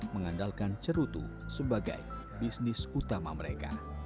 mengandalkan cerutu sebagai bisnis utama mereka